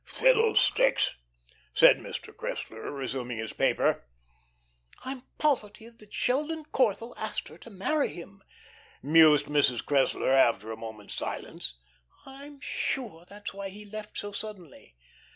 "Fiddlesticks!" said Mr. Cressler, resuming his paper. "I'm positive that Sheldon Corthell asked her to marry him," mused Mrs. Cressler after a moment's silence. "I'm sure that's why he left so suddenly."